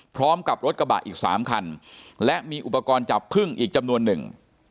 พร้อมกับรถกระบะอีก๓คันและมีอุปกรณ์จับพึ่งอีกจำนวนหนึ่ง